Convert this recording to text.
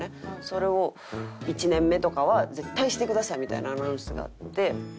それを１年目とかは絶対してくださいみたいなアナウンスがあって。